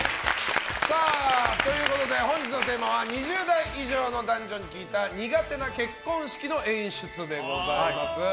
本日のテーマは２０代以上の男女に聞いた苦手な結婚式の演出でございます。